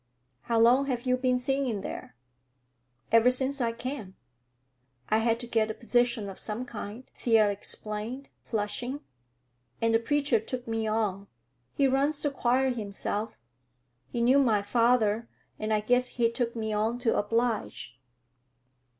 "How long have you been singing there?" "Ever since I came. I had to get a position of some kind," Thea explained, flushing, "and the preacher took me on. He runs the choir himself. He knew my father, and I guess he took me to oblige."